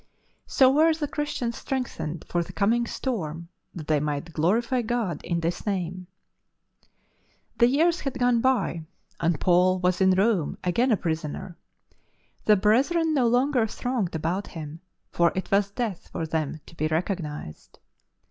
So were the Christians strengthened for the coming storm that they might " glorify God in tliis name." ^ The years had gone by and Paul was in Rome, again a prisoner. The brethren no longer thronged about him, for it was death for them to be recognized.